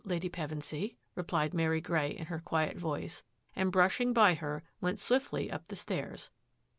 Lady Pevensy," replied Mary Grey in her quiet voice, ^and, brushing by her, went swiftly up the stairs.